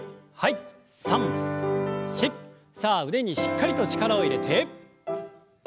さあ腕にしっかりと力を入れて。